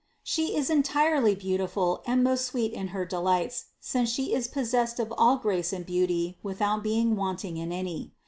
She is entirely beautiful and most sweet in her delights, since She is possessed of all grace and beauty, without being wanting in any.